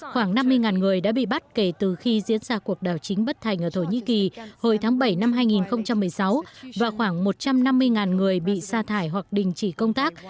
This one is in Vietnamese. khoảng năm mươi người đã bị bắt kể từ khi diễn ra cuộc đảo chính bất thành ở thổ nhĩ kỳ hồi tháng bảy năm hai nghìn một mươi sáu và khoảng một trăm năm mươi người bị sa thải hoặc đình chỉ công tác